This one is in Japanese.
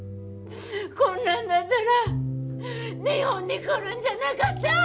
こんなんだったら日本に来るんじゃなかった！